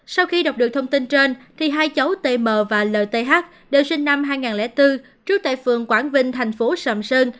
sau khi đọc được thông tin trên thì hai cháu t m và l t h đều sinh năm hai nghìn bốn trước tại phường quảng vinh thành phố sàm sơn